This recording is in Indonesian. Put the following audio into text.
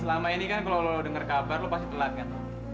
selama ini kan kalau lo denger kabar lo pasti telat kan